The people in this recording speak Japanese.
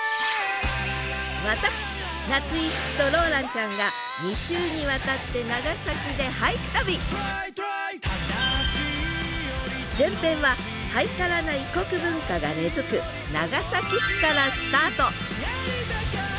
私夏井いつきとローランちゃんが前編はハイカラな異国文化が根づく長崎市からスタート！